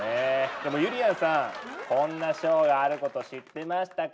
でもゆりやんさんこんな賞があること知ってましたか？